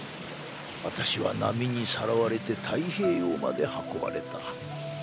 私は波にさらわれて太平洋まで運ばれた。